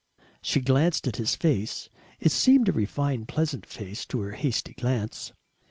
She glanced at his face it seemed a refined pleasant face to her hasty glance.